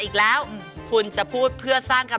อย่าทะเลาะกัน